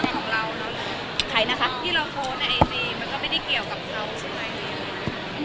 ตัวขี้ใช่ไหม